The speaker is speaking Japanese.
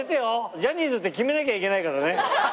ジャニーズって決めなきゃいけないからね。